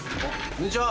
こんにちは！